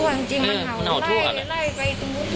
เราผลจงหลุนใจ